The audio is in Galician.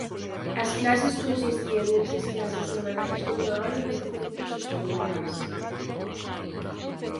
As clases consistían en tres clases semanais dunha hora en doce centros escolares.